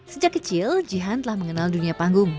sejak kecil jihan telah mengenal dunia panggung